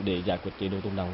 để giải quyết chế độ tôn đồng